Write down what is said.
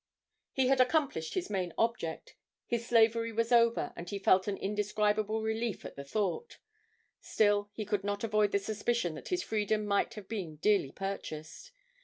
He had accomplished his main object his slavery was over, and he felt an indescribable relief at the thought; still, he could not avoid the suspicion that his freedom might have been dearly purchased.